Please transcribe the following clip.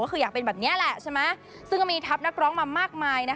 คืออยากเป็นแบบนี้แหละใช่มั้ย